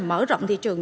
mở rộng thị trường